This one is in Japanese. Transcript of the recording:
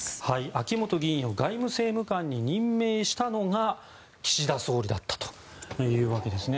秋本議員を外務政務官に任命したのが岸田総理だったというわけですね。